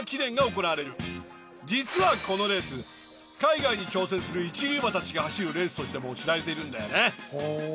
実はこのレース海外に挑戦する一流馬たちが走るレースとしても知られているんだよね。